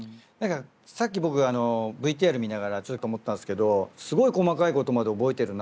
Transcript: さっき僕がＶＴＲ見ながらちょっと思ったんですけどすごい細かいことまで覚えてるなって。